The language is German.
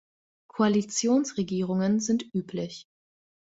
Koalitionsregierungen sind üblich.